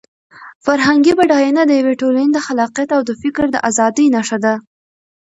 فرهنګي بډاینه د یوې ټولنې د خلاقیت او د فکر د ازادۍ نښه ده.